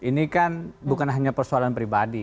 ini kan bukan hanya persoalan pribadi